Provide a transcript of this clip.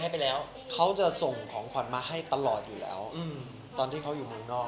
อ๋อพาไปด้วย